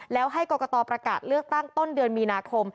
แล้วให้กรกตประกาศเลือกตั้งต้นเดือนมีนาคม